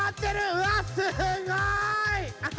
うわっすごい！